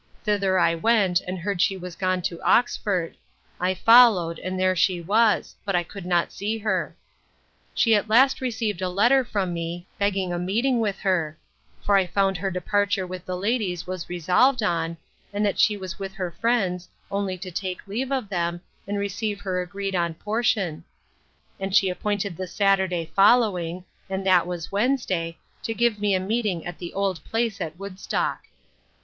Thither I went, and heard she was gone to Oxford. I followed; and there she was; but I could not see her. She at last received a letter from me, begging a meeting with her; for I found her departure with the ladies was resolved on, and that she was with her friends, only to take leave of them, and receive her agreed on portion: And she appointed the Saturday following, and that was Wednesday, to give me a meeting at the old place, at Woodstock.